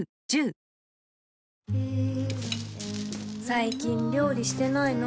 最近料理してないの？